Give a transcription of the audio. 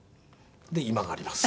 で今があります。